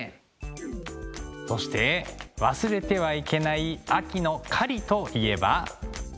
そして忘れてはいけない秋の狩りといえば。